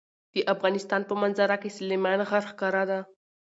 د افغانستان په منظره کې سلیمان غر ښکاره ده.